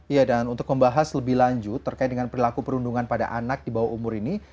ya dan untuk membahas lebih lanjut terkait dengan perilaku perundungan pada anak di bawah umur ini